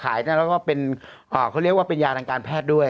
ขายชีวิตนั้นเราก็เป็นอ่าเขาเรียกว่าเป็นยานางการแพทย์ด้วย